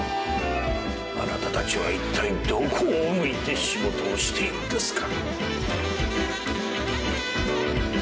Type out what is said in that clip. あなたたちはいったいどこを向いて仕事をしているんですか。